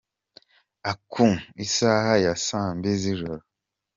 A ku isaha ya saa mbili z’ijoro .